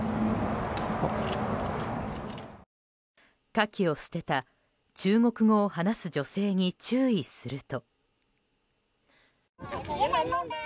カキを捨てた中国語を話す女性に注意すると。